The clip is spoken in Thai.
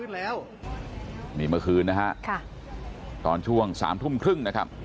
แล้วนี่เมื่อคืนนะฮะค่ะตอนช่วงสามทุ่มครึ่งนะครับ